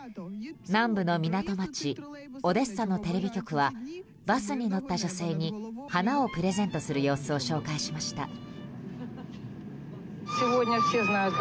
南部の港町オデッサのテレビ局はバスに乗った女性に花をプレゼントする様子を紹介しました。